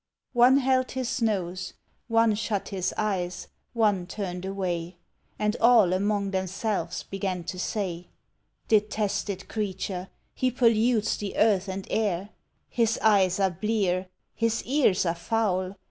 One held his nose, one shut his eyes, one turned away, And all among themselves began to say: "Detested creature! he pollutes the earth and air!" "His eyes are blear!" "His ears are foul!"